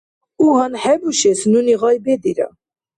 У гьанхӀебушес нуни гъай бедира.